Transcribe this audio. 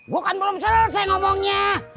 gue kan belum selesai ngomongnya